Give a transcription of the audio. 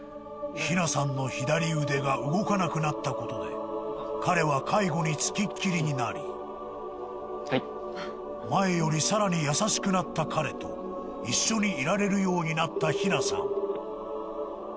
姫奈さんの左腕が動かなくなったことで彼は介護につきっきりになりはい前よりさらに優しくなった彼と一緒にいられるようになった姫奈さん